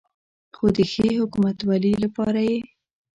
خو د ښې حکومتولې لپاره یې